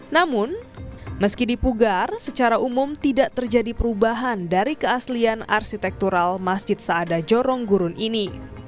namun meski dipugar secara umum tidak terjadi perubahan dari keaslian arsitektural masjid seada jorong gurun ini